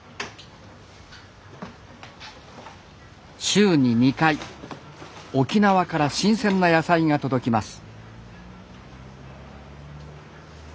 週に２回沖縄から新鮮な野菜が届きます。